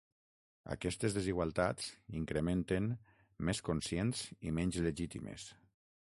Aquestes desigualtats incrementen més conscients i menys legítimes.